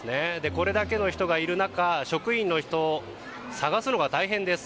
これだけの人がいる中職員を探すのが大変です。